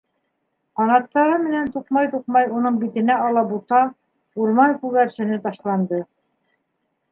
Ҡанаттары менән туҡмай-туҡмай уның битенә Алатуба —урман күгәрсене ташланды.